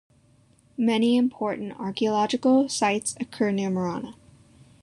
Many important archaeological sites occur near Marana.